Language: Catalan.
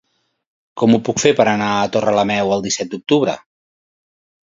Com ho puc fer per anar a Torrelameu el disset d'octubre?